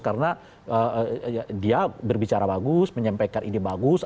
karena dia berbicara bagus menyampaikan ide bagus